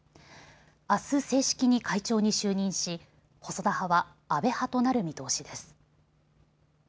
あす正式に会長に就任し細田派は安倍派となる見通しです。